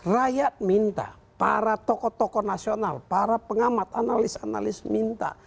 rakyat minta para tokoh tokoh nasional para pengamat analis analis minta